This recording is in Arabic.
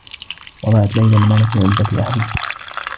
وضعت ليلى المال في علبة أحذية.